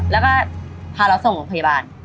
แล้วก็พาเราส่งโรงพยาบาล